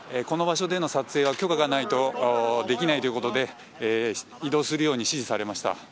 この場所での撮影は許可がないとできないということで、移動するように指示されました。